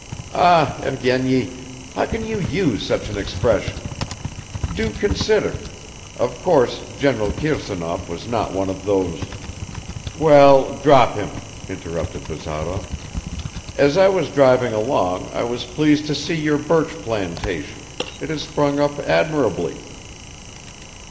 "Ah, Evgeny, how can you use such an expression? Do consider ... of course General Kirsanov was not one of those ..." "Well, drop him," interrupted Bazarov. "As I was driving along I was pleased to see your birch plantation; it has sprung up admirably."